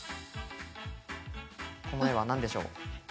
この絵は何でしょう。